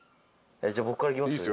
じゃあ僕からいきますよ。